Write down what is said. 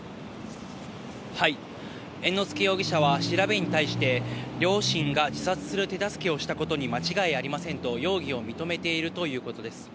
猿之助容疑者は調べに対して、両親が自殺する手助けをしたことに間違いありませんと容疑を認めているということです。